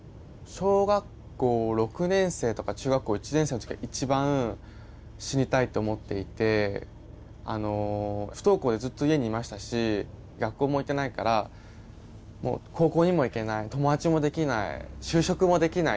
小学校６年生とか中学校１年生の時が一番死にたいと思っていてあの不登校でずっと家にいましたし学校も行けないからもう高校にも行けない友達もできない就職もできない。